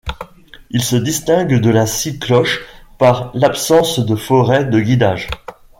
Il se distingue de la scie cloche par l'absence de foret de guidage.